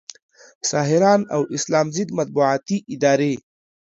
ساحران او اسلام ضد مطبوعاتي ادارې